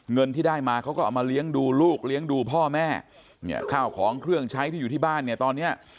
เงินที่ได้มาเขาก็เอามาเลี้ยงดูลูกเลี้ยงดูพ่อแม่เนี่ยข้าวของเครื่องใช้ที่อยู่ที่บ้านเนี่ยตอนเนี้ย